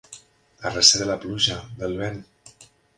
A recer de la pluja, del vent.